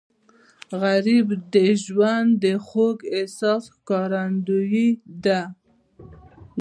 غریب د ژوند د خوږ احساس ښکارندوی دی